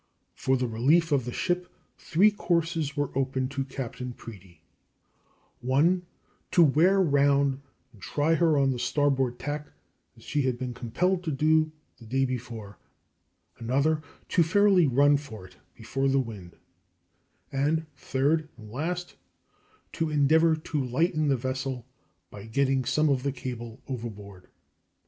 For the relief of the ship three courses were open to Captain Preedy one, to wear round and try her on the starboard tack, as he had been compelled to do the day before; another, to fairly run for it before the wind; and, third and last, to endeavor to lighten the vessel by getting some of the cable overboard.